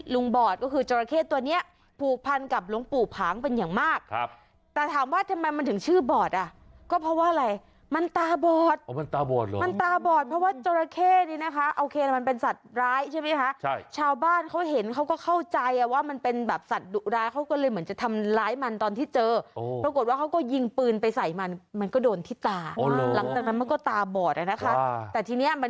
ลุงบอดหน้าตาเป็นยังไง